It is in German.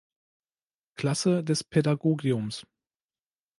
Klasse des Pädagogiums.